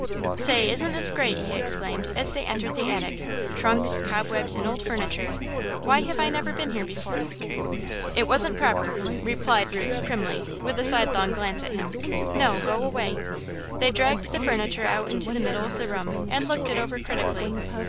"Say, isn't this great!" he exclaimed, as they entered the attic. "Trunks, cobwebs, and old furniture! Why have I never been here before?" "It wasn't proper," replied Ruth, primly, with a sidelong glance at him. "No, go away!" They dragged the furniture out into the middle of the room and looked it over critically.